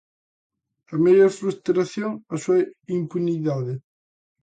A maior frustración, a súa impunidade.